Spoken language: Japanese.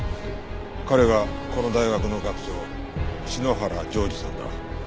彼がこの大学の学長篠原丈治さんだ。